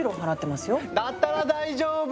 だったら大丈夫！